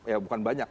ya bukan banyak